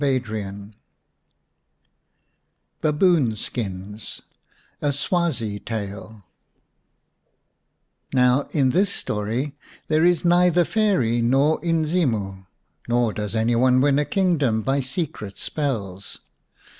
138 XII BABOON SKINS A SWAZI TALE Now in this story there is neither Fairy nor Inzimu, nor does any one win a kingdom by secret spells.